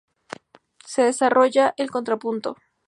Se desarrolla el contrapunto.